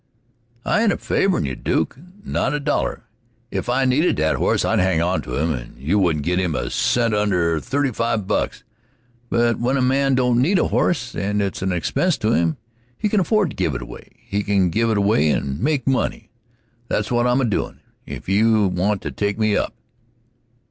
"I ain't a favorin' you, Duke; not a dollar. If I needed that horse, I'd hang onto him, and you wouldn't git him a cent under thirty five bucks; but when a man don't need a horse, and it's a expense on him, he can afford to give it away he can give it away and make money. That's what I'm a doin', if you want to take me up."